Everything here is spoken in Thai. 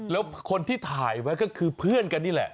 แล้วคนที่ถ่ายไว้ก็คือเพื่อนกันนี่แหละ